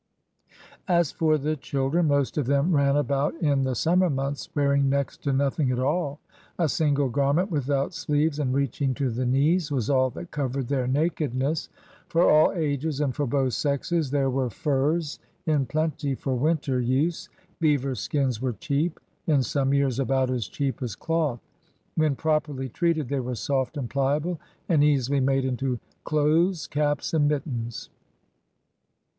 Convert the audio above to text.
As for the children, most of them ran about in the summer months wearing next to nothing at all. A single garment without sleeves and reaching to the knees was all that covered their nakedness. For all ages and for both sexes there were furs in 212 CRUSADERS OF NEW FRANCE plenty for winter use. Beaver skins were dieap» in some years about as cheap as doth. WheaOi properly treated they were soft and pliable, and easily made into clothes, caps, and mittens.